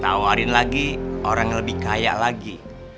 tawarin lagi orang yang lebih kaya lagi